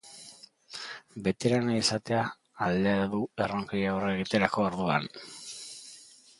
Beteranoa izatea alde du erronkei aurre egiterako orduan.